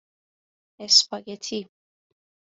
اسپاگتی